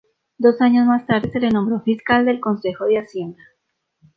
Dos años más tarde se le nombró fiscal del Consejo de Hacienda.